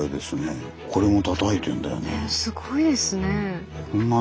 すごいですね。